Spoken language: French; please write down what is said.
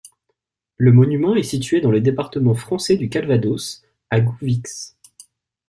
Le monument est situé dans le département français du Calvados, à Gouvix.